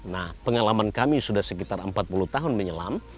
nah pengalaman kami sudah sekitar empat puluh tahun menyelam